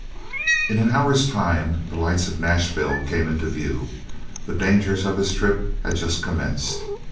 In an hour's time the lights of Nashville came in view; the dangers of his trip had just commenced.